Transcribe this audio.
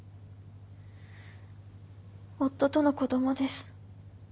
夫との子供です。